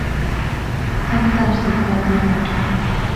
تہ میں تاج دین یاد اینا اٹھی